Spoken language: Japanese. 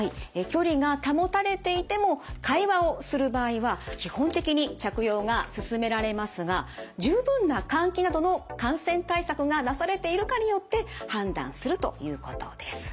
距離が保たれていても会話をする場合は基本的に着用がすすめられますが十分な換気などの感染対策がなされているかによって判断するということです。